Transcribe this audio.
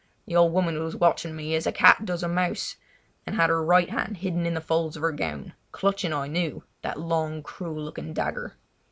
The old woman was watching me as a cat does a mouse; she had her right hand hidden in the folds of her gown, clutching, I knew, that long, cruel looking dagger.